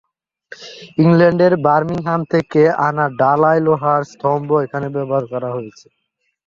ইংল্যান্ডের বার্মিংহাম থেকে আনা ঢালাই লোহার স্তম্ভ এখানে ব্যবহার করা হয়েছে।